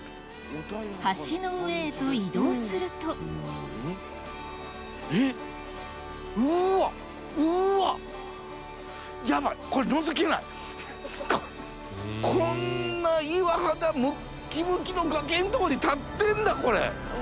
橋の上へと移動するとこんな岩肌むっきむきの崖んとこに立ってんだこれ。